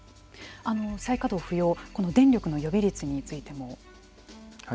再稼働不要電力の予備率についても。